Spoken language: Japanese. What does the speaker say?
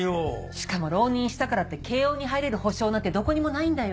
しかも浪人したからって慶應に入れる保証なんてどこにもないんだよ？